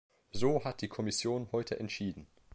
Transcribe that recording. So hat die Kommission heute entschieden.